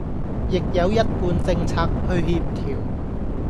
亦有一貫政策去協調